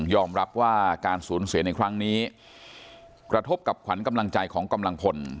รับว่าการสูญเสียในครั้งนี้กระทบกับขวัญกำลังใจของกำลังพล